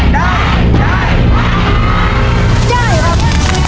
ได้ครับ